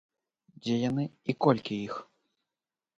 Дзе яны і колькі іх?